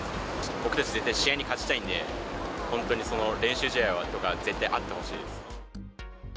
僕たち絶対、試合に勝ちたいんで、本当に練習試合とか絶対あってほしいです。